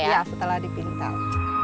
iya setelah dipintal